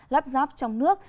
lắp ráp trong nước